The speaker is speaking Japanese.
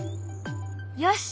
よし！